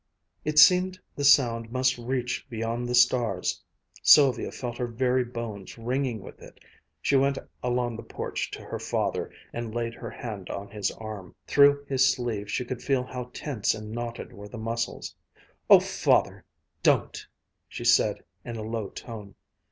It seemed the sound must reach beyond the stars. Sylvia felt her very bones ringing with it. She went along the porch to her father, and laid her hand on his arm. Through his sleeve she could feel how tense and knotted were the muscles. "Oh, Father, don't!" she said in a low tone.